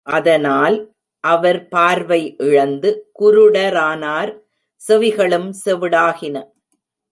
அதனால், அவர் பார்வை இழந்து குருடரானார் செவிகளும் செவிடாகின.